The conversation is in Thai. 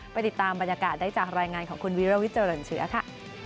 ติดตามบรรยากาศได้จากรายงานของคุณวิรวิทเจริญเชื้อค่ะ